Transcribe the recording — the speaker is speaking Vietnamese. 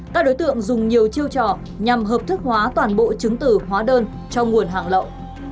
các đối tượng dùng nhiều chiêu trò nhằm hợp thức hóa toàn bộ chứng tử hóa đơn cho nguồn hàng lậu